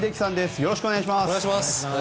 よろしくお願いします。